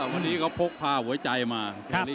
วันนี้เขาพกพาหัวใจมา